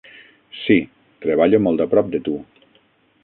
Sí, treballo molt a prop de tu.